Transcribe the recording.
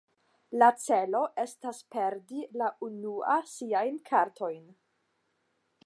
La celo estas perdi la unua siajn kartojn.